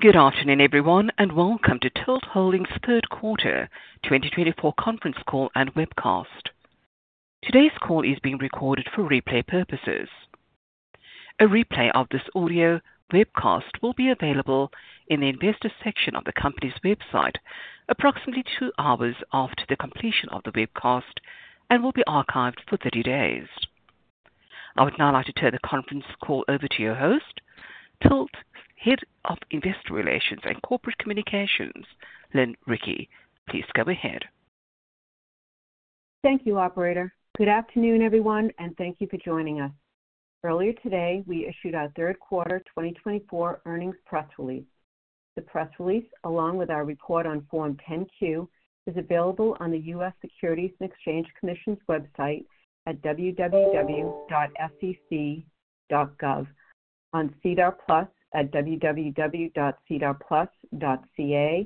Good afternoon, everyone, and welcome to TILT Holdings' Third Quarter 2024 Conference Call and Webcast. Today's call is being recorded for replay purposes. A replay of this audio webcast will be available in the investor section of the company's website approximately two hours after the completion of the webcast and will be archived for 30 days. I would now like to turn the conference call over to your host, TILT's Head of Investor Relations and Corporate Communications, Lynn Ricci. Please go ahead. Thank you, Operator. Good afternoon, everyone, and thank you for joining us. Earlier today, we issued our Third Quarter 2024 earnings press release. The press release, along with our report on Form 10-Q, is available on the U.S. Securities and Exchange Commission's website at www.sec.gov, on SEDAR+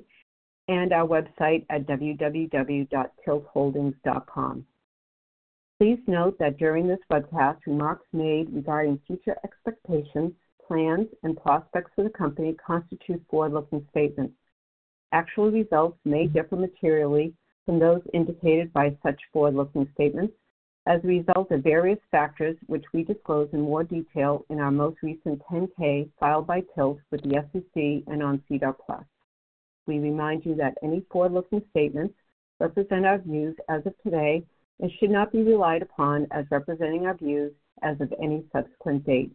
at www.sedarplus.ca, and our website at www.tiltholdings.com. Please note that during this webcast, remarks made regarding future expectations, plans, and prospects for the company constitute forward-looking statements. Actual results may differ materially from those indicated by such forward-looking statements as a result of various factors, which we disclose in more detail in our most recent 10-K filed by TILT with the SEC and on SEDAR+. We remind you that any forward-looking statements represent our views as of today and should not be relied upon as representing our views as of any subsequent date.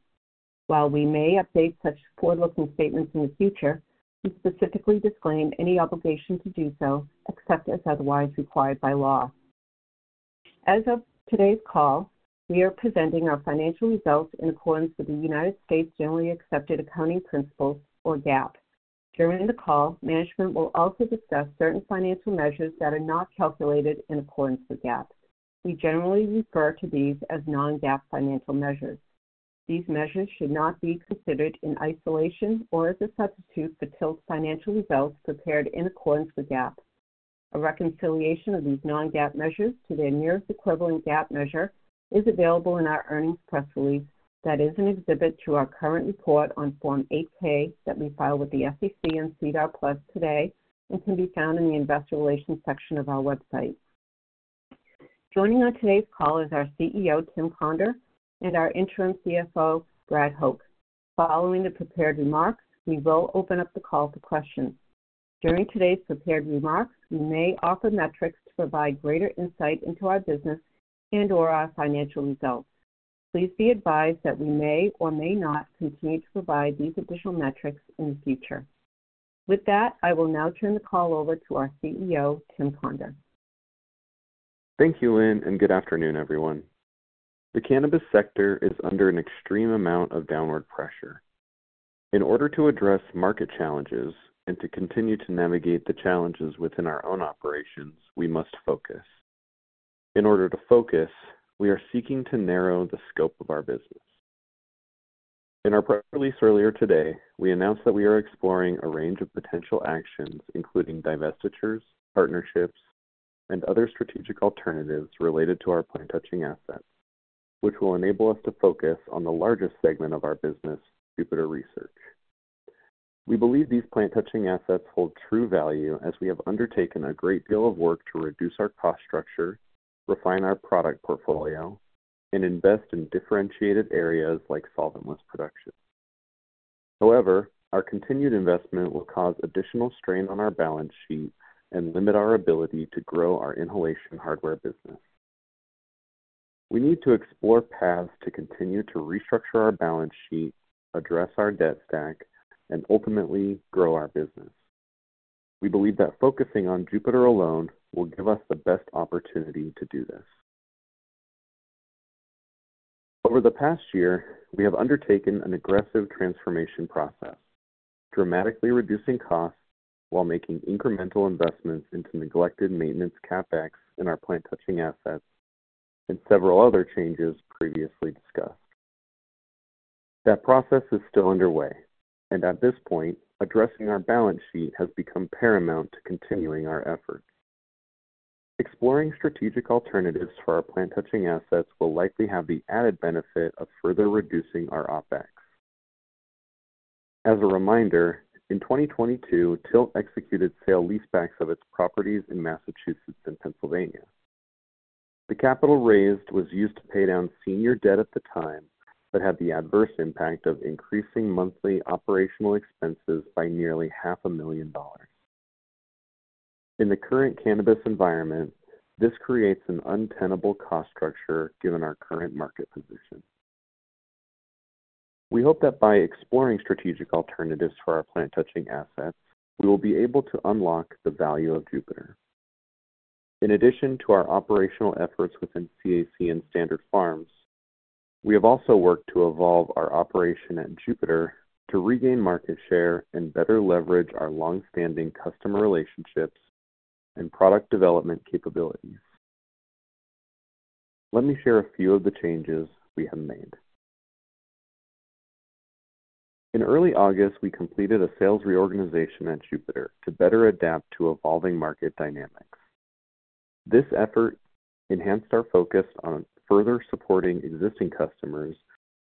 While we may update such forward-looking statements in the future, we specifically disclaim any obligation to do so except as otherwise required by law. As of today's call, we are presenting our financial results in accordance with the United States Generally Accepted Accounting Principles, or GAAP. During the call, management will also discuss certain financial measures that are not calculated in accordance with GAAP. We generally refer to these as non-GAAP financial measures. These measures should not be considered in isolation or as a substitute for TILT's financial results prepared in accordance with GAAP. A reconciliation of these non-GAAP measures to their nearest equivalent GAAP measure is available in our earnings press release that is an exhibit to our current report on Form 8-K that we filed with the SEC and SEDAR+ today and can be found in the investor relations section of our website. Joining on today's call is our CEO, Tim Conder, and our interim CFO, Brad Hoch. Following the prepared remarks, we will open up the call for questions. During today's prepared remarks, we may offer metrics to provide greater insight into our business and/or our financial results. Please be advised that we may or may not continue to provide these additional metrics in the future. With that, I will now turn the call over to our CEO, Tim Conder. Thank you, Lynn, and good afternoon, everyone. The cannabis sector is under an extreme amount of downward pressure. In order to address market challenges and to continue to navigate the challenges within our own operations, we must focus. In order to focus, we are seeking to narrow the scope of our business. In our press release earlier today, we announced that we are exploring a range of potential actions, including divestitures, partnerships, and other strategic alternatives related to our plant-touching assets, which will enable us to focus on the largest segment of our business, Jupiter Research. We believe these plant-touching assets hold true value as we have undertaken a great deal of work to reduce our cost structure, refine our product portfolio, and invest in differentiated areas like solventless production. However, our continued investment will cause additional strain on our balance sheet and limit our ability to grow our inhalation hardware business. We need to explore paths to continue to restructure our balance sheet, address our debt stack, and ultimately grow our business. We believe that focusing on Jupiter alone will give us the best opportunity to do this. Over the past year, we have undertaken an aggressive transformation process, dramatically reducing costs while making incremental investments into neglected maintenance CapEx in our plant-touching assets and several other changes previously discussed. That process is still underway, and at this point, addressing our balance sheet has become paramount to continuing our efforts. Exploring strategic alternatives for our plant-touching assets will likely have the added benefit of further reducing our OpEx. As a reminder, in 2022, TILT executed sale leasebacks of its properties in Massachusetts and Pennsylvania. The capital raised was used to pay down senior debt at the time but had the adverse impact of increasing monthly operational expenses by nearly $500,000. In the current cannabis environment, this creates an untenable cost structure given our current market position. We hope that by exploring strategic alternatives for our plant-touching assets, we will be able to unlock the value of Jupiter. In addition to our operational efforts within CAC and Standard Farms, we have also worked to evolve our operation at Jupiter to regain market share and better leverage our longstanding customer relationships and product development capabilities. Let me share a few of the changes we have made. In early August, we completed a sales reorganization at Jupiter to better adapt to evolving market dynamics. This effort enhanced our focus on further supporting existing customers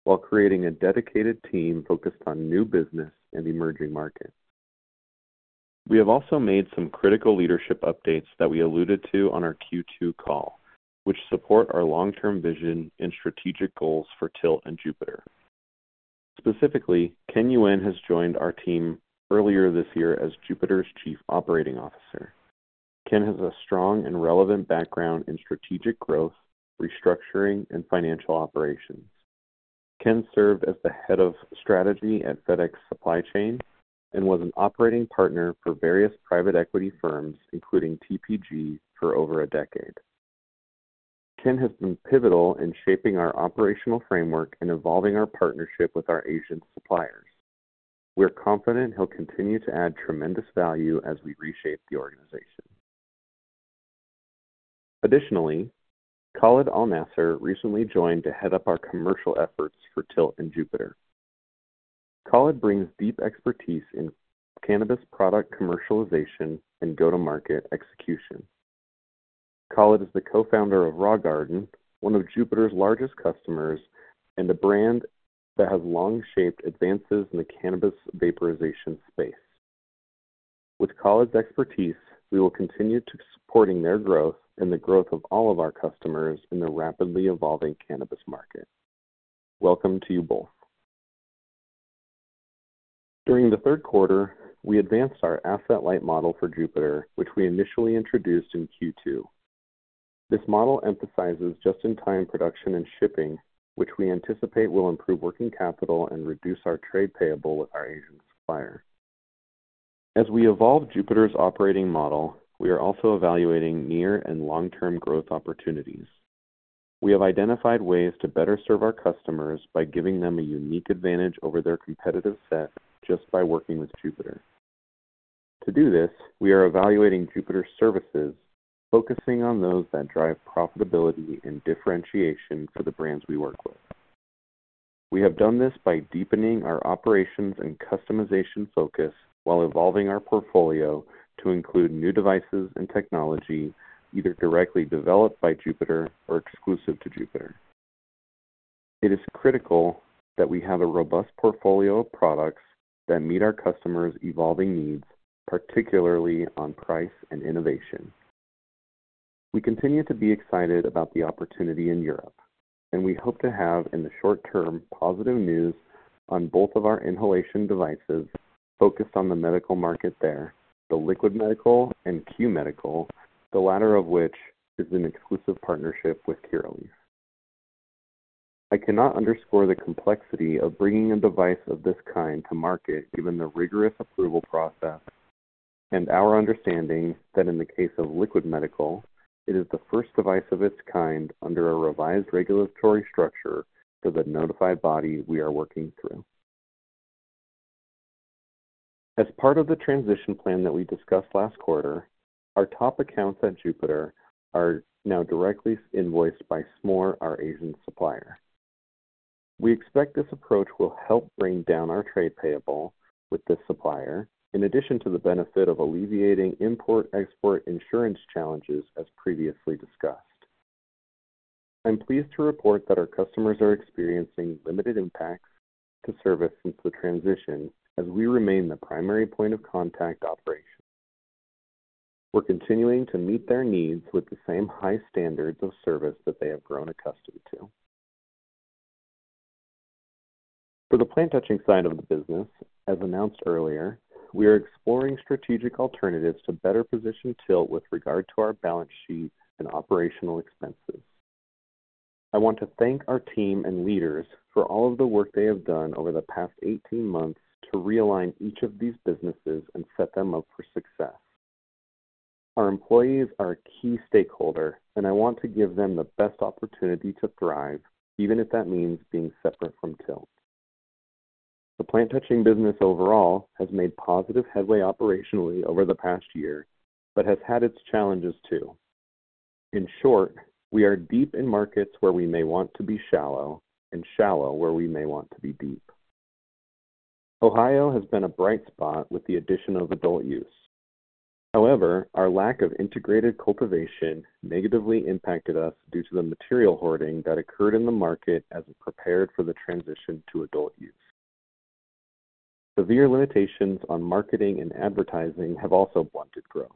while creating a dedicated team focused on new business and emerging markets. We have also made some critical leadership updates that we alluded to on our Q2 call, which support our long-term vision and strategic goals for TILT and Jupiter. Specifically, Ken Yuen has joined our team earlier this year as Jupiter's Chief Operating Officer. Ken has a strong and relevant background in strategic growth, restructuring, and financial operations. Ken served as the Head of Strategy at FedEx Supply Chain and was an operating partner for various private equity firms, including TPG, for over a decade. Ken has been pivotal in shaping our operational framework and evolving our partnership with our Asian suppliers. We're confident he'll continue to add tremendous value as we reshape the organization. Additionally, Khaled Al-Nasser recently joined to head up our commercial efforts for TILT and Jupiter. Khaled brings deep expertise in cannabis product commercialization and go-to-market execution. Khaled is the co-founder of Raw Garden, one of Jupiter's largest customers and a brand that has long shaped advances in the cannabis vaporization space. With Khaled's expertise, we will continue to support their growth and the growth of all of our customers in the rapidly evolving cannabis market. Welcome to you both. During the third quarter, we advanced our asset-light model for Jupiter, which we initially introduced in Q2. This model emphasizes just-in-time production and shipping, which we anticipate will improve working capital and reduce our trade payable with our Asian supplier. As we evolve Jupiter's operating model, we are also evaluating near and long-term growth opportunities. We have identified ways to better serve our customers by giving them a unique advantage over their competitive set just by working with Jupiter. To do this, we are evaluating Jupiter's services, focusing on those that drive profitability and differentiation for the brands we work with. We have done this by deepening our operations and customization focus while evolving our portfolio to include new devices and technology either directly developed by Jupiter or exclusive to Jupiter. It is critical that we have a robust portfolio of products that meet our customers' evolving needs, particularly on price and innovation. We continue to be excited about the opportunity in Europe, and we hope to have, in the short term, positive news on both of our inhalation devices focused on the medical market there, the Liquid Medical and Q-Medical, the latter of which is an exclusive partnership with Curaleaf. I cannot underscore the complexity of bringing a device of this kind to market given the rigorous approval process and our understanding that, in the case of Liquid Medical, it is the first device of its kind under a revised regulatory structure for the notified body we are working through. As part of the transition plan that we discussed last quarter, our top accounts at Jupiter are now directly invoiced by Smoore, our Asian supplier. We expect this approach will help bring down our trade payable with this supplier, in addition to the benefit of alleviating import-export insurance challenges, as previously discussed. I'm pleased to report that our customers are experiencing limited impacts to service since the transition, as we remain the primary point of contact operation. We're continuing to meet their needs with the same high standards of service that they have grown accustomed to. For the plant-touching side of the business, as announced earlier, we are exploring strategic alternatives to better position TILT with regard to our balance sheet and operational expenses. I want to thank our team and leaders for all of the work they have done over the past 18 months to realign each of these businesses and set them up for success. Our employees are a key stakeholder, and I want to give them the best opportunity to thrive, even if that means being separate from TILT. The plant-touching business overall has made positive headway operationally over the past year but has had its challenges too. In short, we are deep in markets where we may want to be shallow and shallow where we may want to be deep. Ohio has been a bright spot with the addition of adult use. However, our lack of integrated cultivation negatively impacted us due to the material hoarding that occurred in the market as it prepared for the transition to adult use. Severe limitations on marketing and advertising have also blunted growth.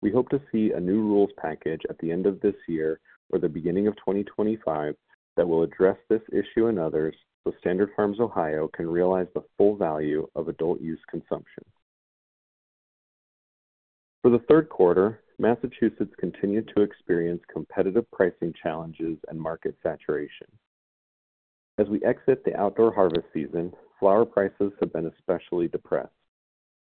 We hope to see a new rules package at the end of this year or the beginning of 2025 that will address this issue and others so Standard Farms Ohio can realize the full value of adult use consumption. For the third quarter, Massachusetts continued to experience competitive pricing challenges and market saturation. As we exit the outdoor harvest season, flower prices have been especially depressed.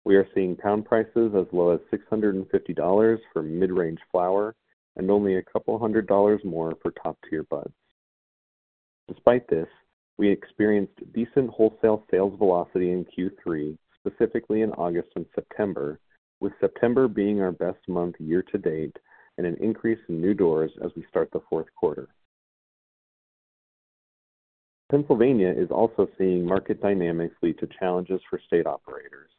We are seeing pound prices as low as $650 for mid-range flower and only a couple hundred dollars more for top-tier buds. Despite this, we experienced decent wholesale sales velocity in Q3, specifically in August and September, with September being our best month year-to-date and an increase in new doors as we start the fourth quarter. Pennsylvania is also seeing market dynamics lead to challenges for state operators.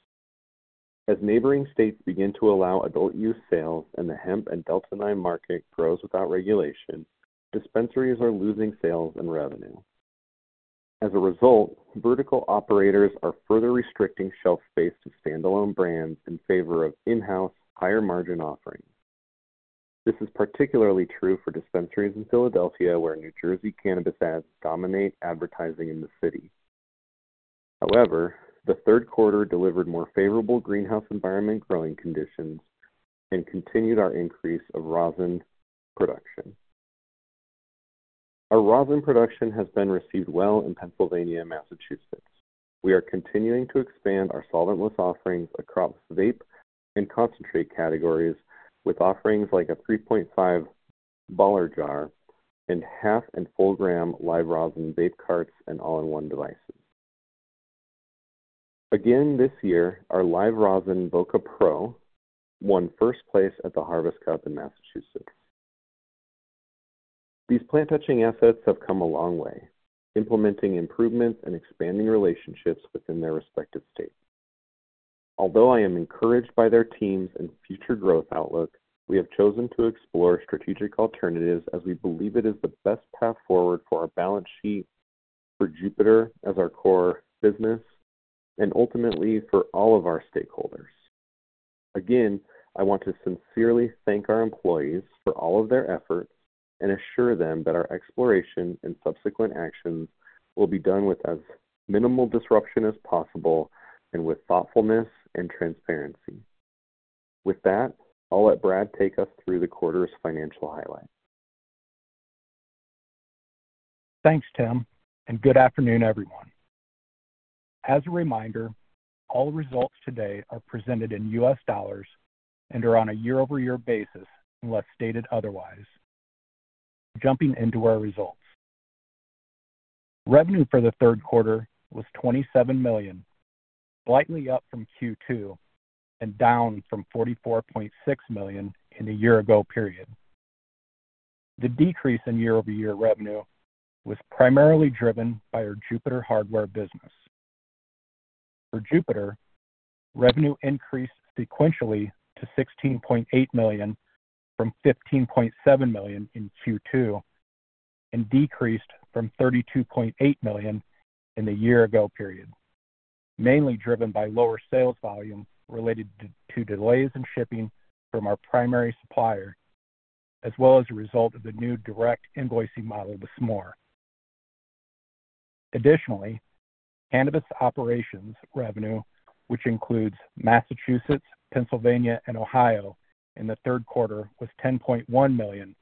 As neighboring states begin to allow adult use sales and the hemp and Delta-9 market grows without regulation, dispensaries are losing sales and revenue. As a result, vertical operators are further restricting shelf space to standalone brands in favor of in-house, higher-margin offerings. This is particularly true for dispensaries in Philadelphia, where New Jersey cannabis ads dominate advertising in the city. However, the third quarter delivered more favorable greenhouse environment growing conditions and continued our increase of rosin production. Our rosin production has been received well in Pennsylvania and Massachusetts. We are continuing to expand our solventless offerings across vape and concentrate categories with offerings like a 3.5 Baller jar and half and full-gram live rosin vape carts and all-in-one devices. Again this year, our live rosin Voca Pro won first place at the Harvest Cup in Massachusetts. These plant-touching assets have come a long way, implementing improvements and expanding relationships within their respective states. Although I am encouraged by their teams and future growth outlook, we have chosen to explore strategic alternatives as we believe it is the best path forward for our balance sheet, for Jupiter as our core business, and ultimately for all of our stakeholders. Again, I want to sincerely thank our employees for all of their efforts and assure them that our exploration and subsequent actions will be done with as minimal disruption as possible and with thoughtfulness and transparency. With that, I'll let Brad take us through the quarter's financial highlights. Thanks, Tim, and good afternoon, everyone. As a reminder, all results today are presented in U.S. dollars and are on a year-over-year basis, unless stated otherwise. Jumping into our results, revenue for the third quarter was $27 million, slightly up from Q2 and down from $44.6 million in the year-ago period. The decrease in year-over-year revenue was primarily driven by our Jupiter hardware business. For Jupiter, revenue increased sequentially to $16.8 million from $15.7 million in Q2 and decreased from $32.8 million in the year-ago period, mainly driven by lower sales volume related to delays in shipping from our primary supplier, as well as a result of the new direct invoicing model with Smoore. Additionally, cannabis operations revenue, which includes Massachusetts, Pennsylvania, and Ohio in the third quarter, was $10.1 million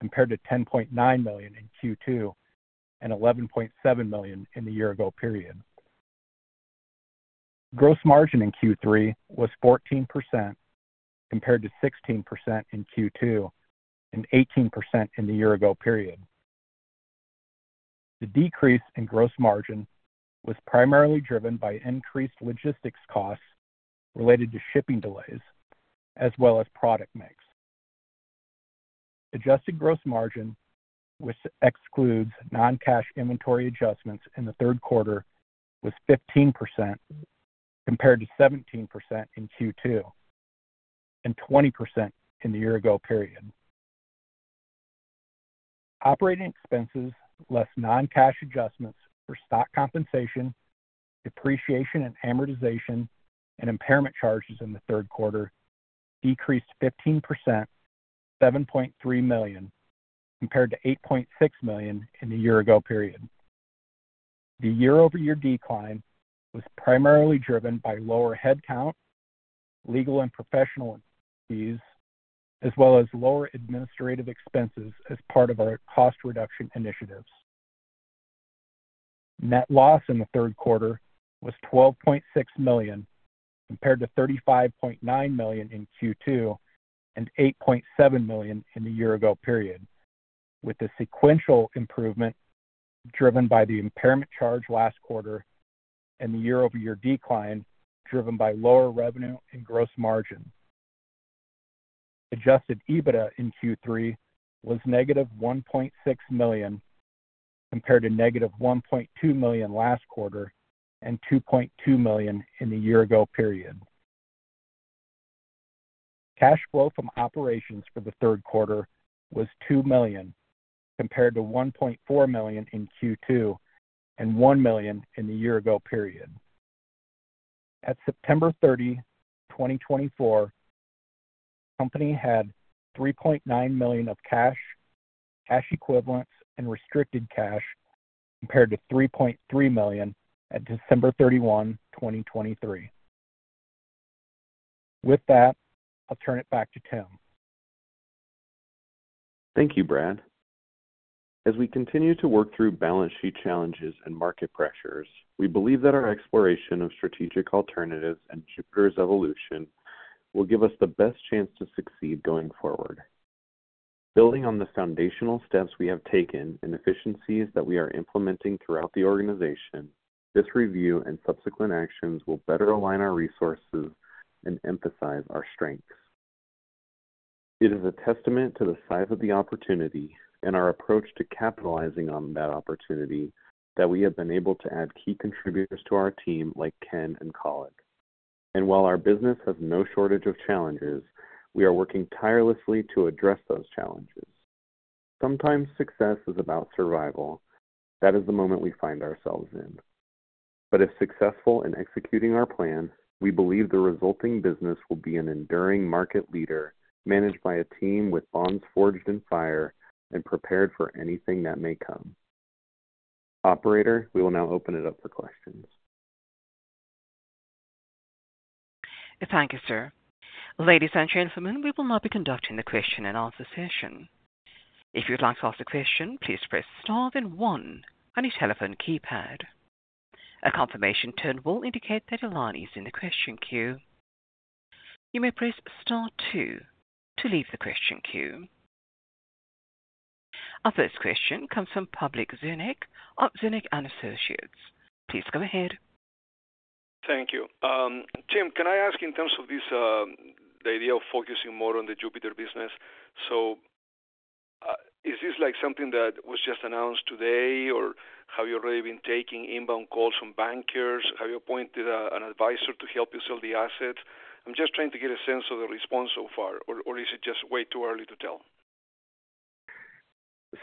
compared to $10.9 million in Q2 and $11.7 million in the year-ago period. Gross margin in Q3 was 14% compared to 16% in Q2 and 18% in the year-ago period. The decrease in gross margin was primarily driven by increased logistics costs related to shipping delays, as well as product mix. Adjusted gross margin, which excludes non-cash inventory adjustments in the third quarter, was 15% compared to 17% in Q2 and 20% in the year-ago period. Operating expenses less non-cash adjustments for stock compensation, depreciation and amortization, and impairment charges in the third quarter decreased 15% to $7.3 million compared to $8.6 million in the year-ago period. The year-over-year decline was primarily driven by lower headcount, legal and professional fees, as well as lower administrative expenses as part of our cost reduction initiatives. Net loss in the third quarter was $12.6 million compared to $35.9 million in Q2 and $8.7 million in the year-ago period, with the sequential improvement driven by the impairment charge last quarter and the year-over-year decline driven by lower revenue and gross margin. Adjusted EBITDA in Q3 was negative $1.6 million compared to negative $1.2 million last quarter and $2.2 million in the year-ago period. Cash flow from operations for the third quarter was $2 million compared to $1.4 million in Q2 and $1 million in the year-ago period. At September 30, 2024, the company had $3.9 million of cash, cash equivalents, and restricted cash compared to $3.3 million at December 31, 2023. With that, I'll turn it back to Tim. Thank you, Brad. As we continue to work through balance sheet challenges and market pressures, we believe that our exploration of strategic alternatives and Jupiter's evolution will give us the best chance to succeed going forward. Building on the foundational steps we have taken and efficiencies that we are implementing throughout the organization, this review and subsequent actions will better align our resources and emphasize our strengths. It is a testament to the size of the opportunity and our approach to capitalizing on that opportunity that we have been able to add key contributors to our team like Ken and Khaled. And while our business has no shortage of challenges, we are working tirelessly to address those challenges. Sometimes success is about survival. That is the moment we find ourselves in. But if successful in executing our plan, we believe the resulting business will be an enduring market leader managed by a team with bonds forged in fire and prepared for anything that may come. Operator, we will now open it up for questions. Thank you, sir. Ladies and gentlemen, we will now be conducting the question-and-answer session. If you'd like to ask a question, please press star then one on your telephone keypad. A confirmation tone will indicate that your line is in the question queue. You may press star two to leave the question queue. Our first question comes from Pablo Zuanic of Zuanic & Associates. Please go ahead. Thank you. Tim, can I ask in terms of this, the idea of focusing more on the Jupiter business? So is this like something that was just announced today, or have you already been taking inbound calls from bankers? Have you appointed an advisor to help you sell the assets? I'm just trying to get a sense of the response so far. Or is it just way too early to tell?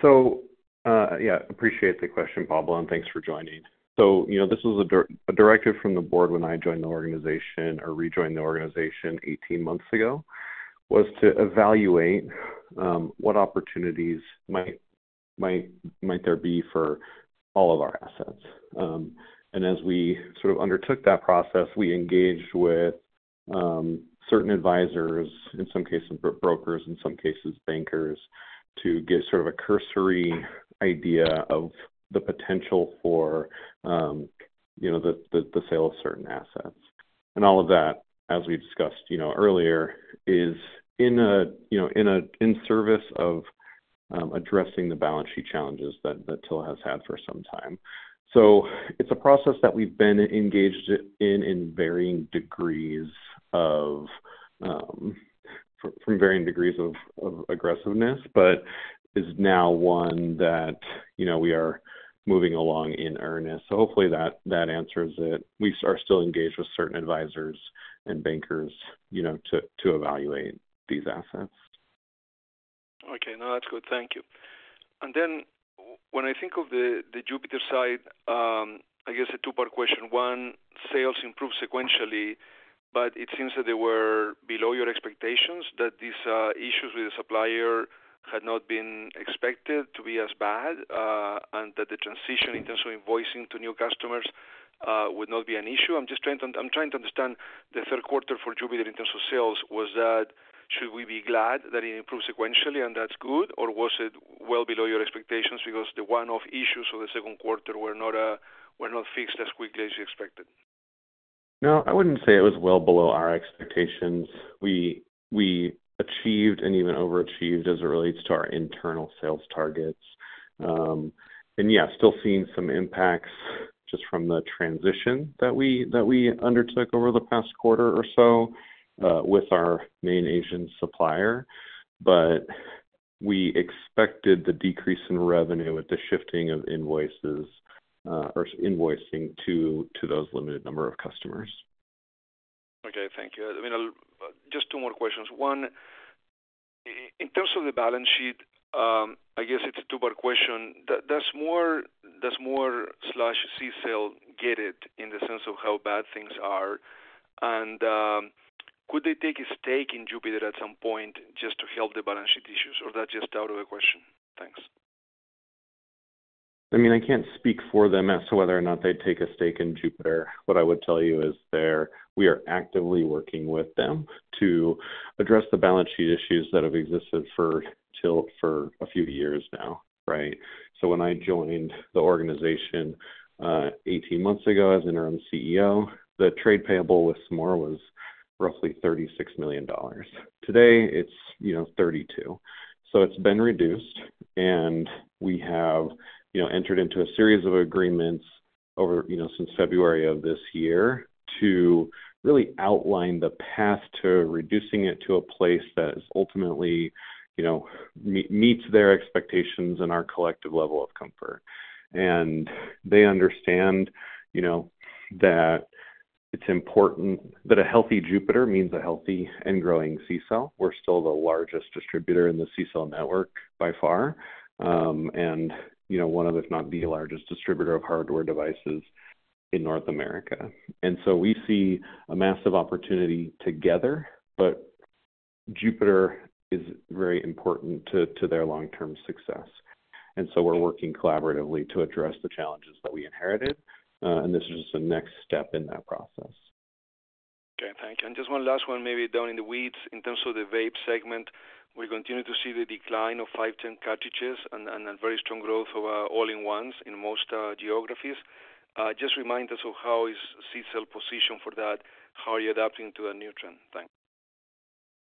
So, yeah, I appreciate the question, Pablo, and thanks for joining. So this was a directive from the board when I joined the organization or rejoined the organization 18 months ago, was to evaluate what opportunities might there be for all of our assets. And as we sort of undertook that process, we engaged with certain advisors, in some cases brokers, in some cases bankers, to get sort of a cursory idea of the potential for the sale of certain assets. And all of that, as we discussed earlier, is in service of addressing the balance sheet challenges that TILT has had for some time. So it's a process that we've been engaged in in varying degrees from varying degrees of aggressiveness, but is now one that we are moving along in earnest. So hopefully that answers it. We are still engaged with certain advisors and bankers to evaluate these assets. Okay. No, that's good. Thank you. And then, when I think of the Jupiter side, I guess a two-part question. One, sales improved sequentially, but it seems that they were below your expectations, that these issues with the supplier had not been expected to be as bad, and that the transition in terms of invoicing to new customers would not be an issue. I'm trying to understand the third quarter for Jupiter in terms of sales. Should we be glad that it improved sequentially and that's good, or was it well below your expectations because the one-off issues of the second quarter were not fixed as quickly as you expected? No, I wouldn't say it was well below our expectations. We achieved and even overachieved as it relates to our internal sales targets. And yeah, still seeing some impacts just from the transition that we undertook over the past quarter or so with our main Asian supplier. But we expected the decrease in revenue with the shifting of invoices or invoicing to those limited number of customers. Okay. Thank you. I mean, just two more questions. One, in terms of the balance sheet, I guess it's a two-part question. Does Smoore/CCELL get it in the sense of how bad things are? And could they take a stake in Jupiter at some point just to help the balance sheet issues, or is that just out of the question? Thanks. I mean, I can't speak for them as to whether or not they take a stake in Jupiter. What I would tell you is we are actively working with them to address the balance sheet issues that have existed for TILT for a few years now, right? So when I joined the organization 18 months ago as Interim CEO, the trade payable with Smoore was roughly $36 million. Today, it's $32 million. So it's been reduced, and we have entered into a series of agreements since February of this year to really outline the path to reducing it to a place that ultimately meets their expectations and our collective level of comfort. And they understand that it's important that a healthy Jupiter means a healthy and growing CCELL. We're still the largest distributor in the CCELL network by far, and one of, if not the largest distributor of hardware devices in North America. And so we see a massive opportunity together, but Jupiter is very important to their long-term success. And so we're working collaboratively to address the challenges that we inherited, and this is just a next step in that process. Okay. Thank you. And just one last one, maybe down in the weeds. In terms of the vape segment, we continue to see the decline of 510 cartridges and a very strong growth of all-in-ones in most geographies. Just remind us of how is CCELL positioned for that? How are you adapting to that new trend? Thanks.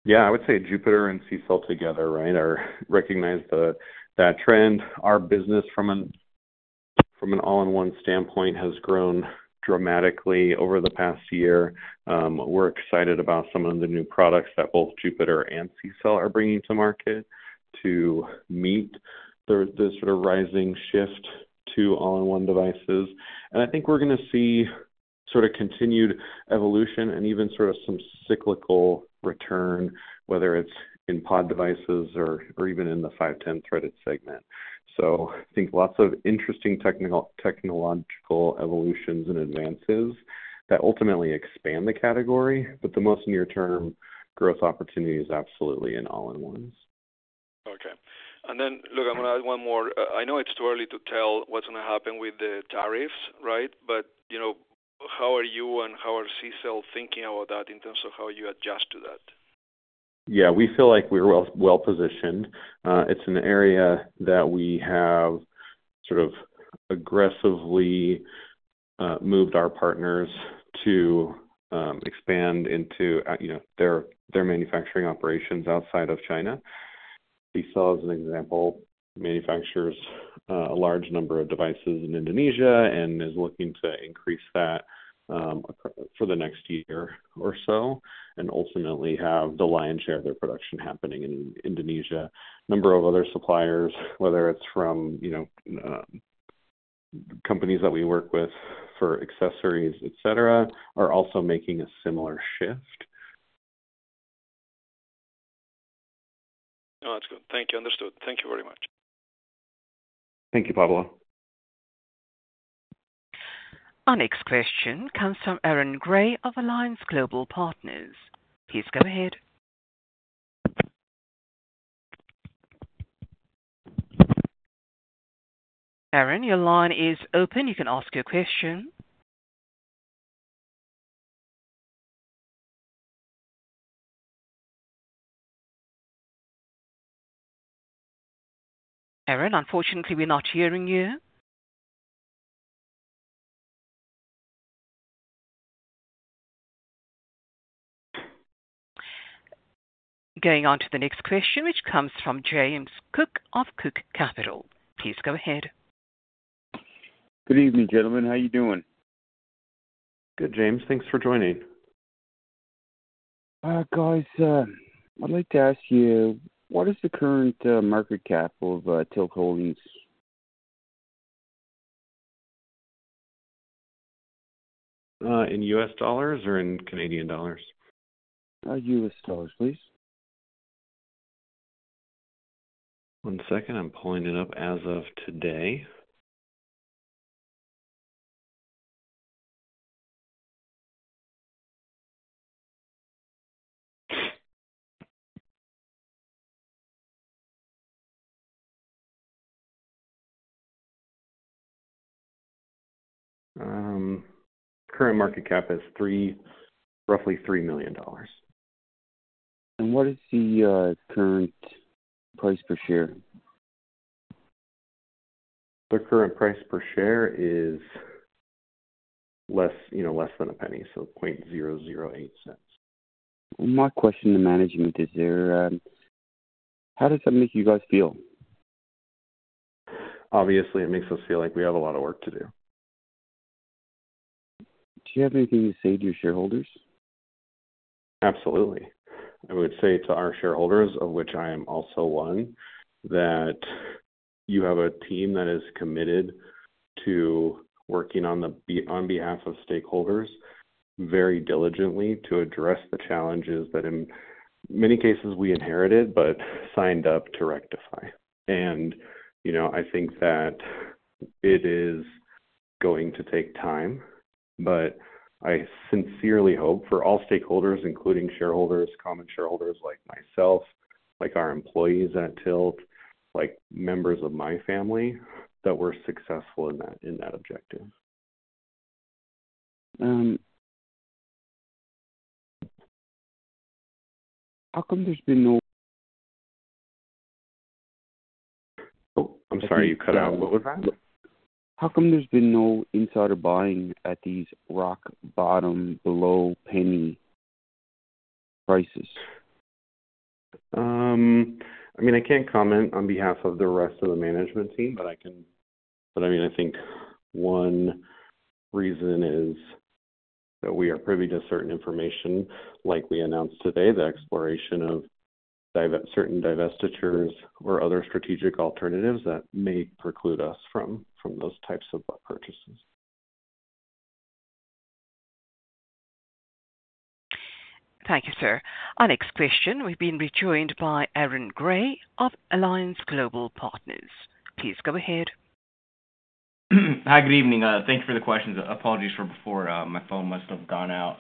Yeah. I would say Jupiter and CCELL together, right, recognize that trend. Our business from an all-in-one standpoint has grown dramatically over the past year. We're excited about some of the new products that both Jupiter and CCELL are bringing to market to meet the sort of rising shift to all-in-one devices. And I think we're going to see sort of continued evolution and even sort of some cyclical return, whether it's in pod devices or even in the 510 threaded segment. So I think lots of interesting technological evolutions and advances that ultimately expand the category, but the most near-term growth opportunity is absolutely in all-in-ones. Okay. And then, look, I'm going to add one more. I know it's too early to tell what's going to happen with the tariffs, right? But how are you and how are CCELL thinking about that in terms of how you adjust to that? Yeah. We feel like we're well-positioned. It's an area that we have sort of aggressively moved our partners to expand into their manufacturing operations outside of China. CCELL, as an example, manufactures a large number of devices in Indonesia and is looking to increase that for the next year or so and ultimately have the lion's share of their production happening in Indonesia. A number of other suppliers, whether it's from companies that we work with for accessories, etc., are also making a similar shift. No, that's good. Thank you. Understood. Thank you very much. Thank you, Pablo. Our next question comes from Aaron Grey of Alliance Global Partners. Please go ahead. Aaron, your line is open. You can ask your question. Aaron, unfortunately, we're not hearing you. Going on to the next question, which comes from James Cook of Cook Capital. Please go ahead. Good evening, gentlemen. How are you doing? Good, James. Thanks for joining. Guys, I'd like to ask you, what is the current market cap of TILT Holdings? In U.S. dollars or in Canadian dollars? U.S. dollars, please. One second. I'm pulling it up as of today. Current market cap is roughly $3 million. What is the current price per share? The current price per share is less than a penny, so $0.008. My question to management is, how does that make you guys feel? Obviously, it makes us feel like we have a lot of work to do. Do you have anything to say to your shareholders? Absolutely. I would say to our shareholders, of which I am also one, that you have a team that is committed to working on behalf of stakeholders very diligently to address the challenges that, in many cases, we inherited but signed up to rectify. And I think that it is going to take time, but I sincerely hope for all stakeholders, including shareholders, common shareholders like myself, like our employees at TILT, like members of my family, that we're successful in that objective. How come there's been no? Oh, I'm sorry. You cut out. What was that? How come there's been no insider buying at these rock bottom, below-penny prices? I mean, I can't comment on behalf of the rest of the management team, but I mean, I think one reason is that we are privy to certain information, like we announced today, the exploration of certain divestitures or other strategic alternatives that may preclude us from those types of purchases. Thank you, sir. Our next question, we've been rejoined by Aaron Grey of Alliance Global Partners. Please go ahead. Hi, good evening. Thank you for the questions. Apologies for before, my phone must have gone out.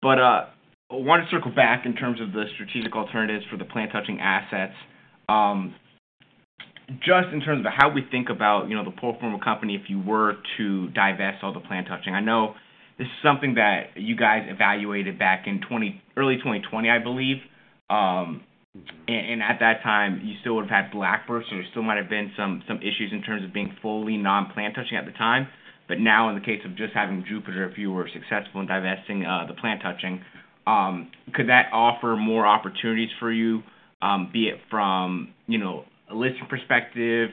But I want to circle back in terms of the strategic alternatives for the plant-touching assets, just in terms of how we think about the pure form of company if you were to divest all the plant-touching. I know this is something that you guys evaluated back in early 2020, I believe. And at that time, you still would have had Blackbird, so there still might have been some issues in terms of being fully non-plant-touching at the time. But now, in the case of just having Jupiter, if you were successful in divesting the plant-touching, could that offer more opportunities for you, be it from a listing perspective,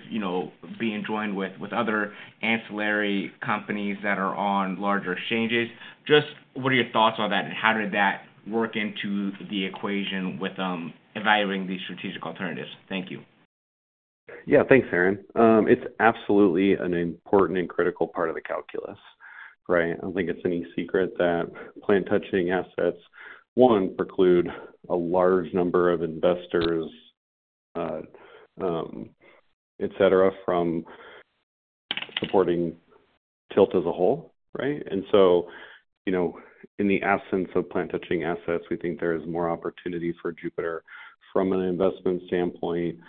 being joined with other ancillary companies that are on larger exchanges? Just what are your thoughts on that, and how did that work into the equation with evaluating these strategic alternatives? Thank you. Yeah. Thanks, Aaron. It's absolutely an important and critical part of the calculus, right? I don't think it's any secret that plant-touching assets, one, preclude a large number of investors, etc., from supporting TILT as a whole, right? And so in the absence of plant-touching assets, we think there is more opportunity for Jupiter from an investment standpoint,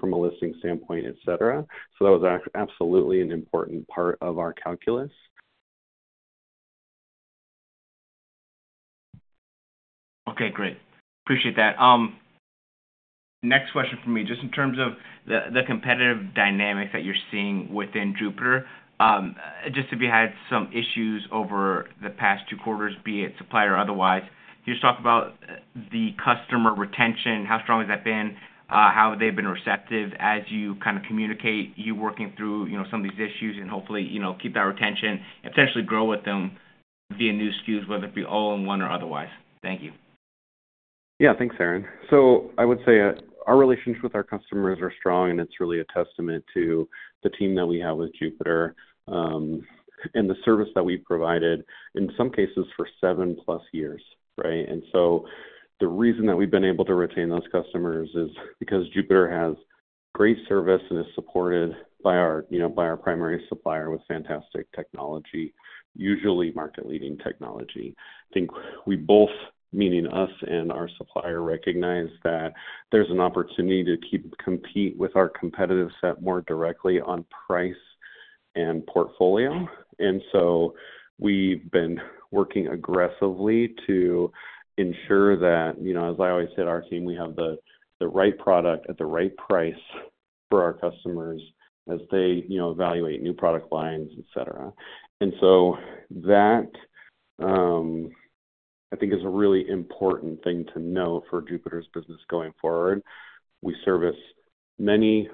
from a listing standpoint, etc. So that was absolutely an important part of our calculus. Okay. Great. Appreciate that. Next question for me, just in terms of the competitive dynamics that you're seeing within Jupiter, just if you had some issues over the past two quarters, be it supplier or otherwise, could you just talk about the customer retention? How strong has that been? How have they been receptive as you kind of communicate, you working through some of these issues and hopefully keep that retention and potentially grow with them via new SKUs, whether it be all-in-one or otherwise? Thank you. Yeah. Thanks, Aaron. So I would say our relationship with our customers are strong, and it's really a testament to the team that we have with Jupiter and the service that we've provided, in some cases, for seven-plus years, right? And so the reason that we've been able to retain those customers is because Jupiter has great service and is supported by our primary supplier with fantastic technology, usually market-leading technology. I think we both, meaning us and our supplier, recognize that there's an opportunity to compete with our competitive set more directly on price and portfolio. And so we've been working aggressively to ensure that, as I always say to our team, we have the right product at the right price for our customers as they evaluate new product lines, etc. And so that, I think, is a really important thing to know for Jupiter's business going forward. We service many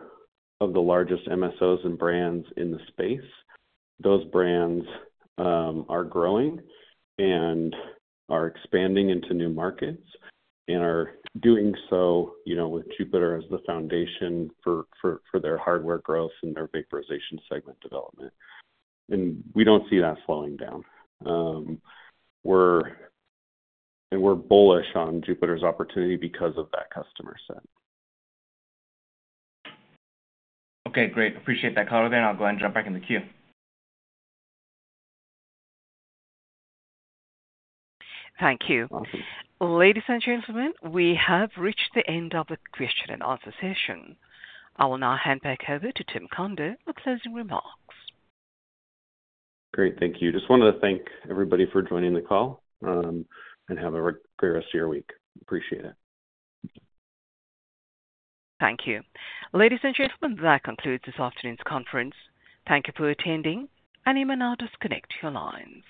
of the largest MSOs and brands in the space. Those brands are growing and are expanding into new markets and are doing so with Jupiter as the foundation for their hardware growth and their vaporization segment development, and we don't see that slowing down, and we're bullish on Jupiter's opportunity because of that customer set. Okay. Great. Appreciate that, Conder. Then I'll go ahead and jump back in the queue. Thank you. Awesome. Ladies and gentlemen, we have reached the end of the question-and-answer session. I will now hand back over to Tim Conder, for closing remarks. Great. Thank you. Just wanted to thank everybody for joining the call and have a great rest of your week. Appreciate it. Thank you. Ladies and gentlemen, that concludes this afternoon's conference. Thank you for attending, and you may now disconnect your lines.